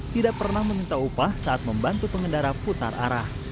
tidak pernah meminta upah saat membantu pengendara putar arah